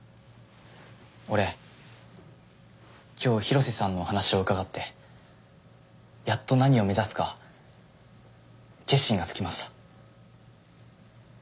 俺今日広瀬さんのお話を伺ってやっと何を目指すか決心がつきました。